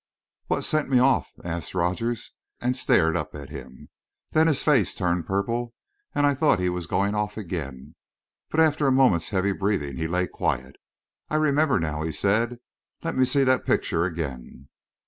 "What sent me off?" asked Rogers, and stared up at him. Then his face turned purple, and I thought he was going off again. But after a moment's heavy breathing, he lay quiet. "I remember now," he said. "Let me see that picture again."